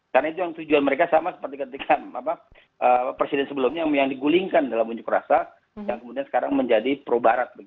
karena itu tujuan mereka sama seperti ketika presiden sebelumnya yang digulingkan dalam unjuk rasa dan kemudian sekarang menjadi pro barat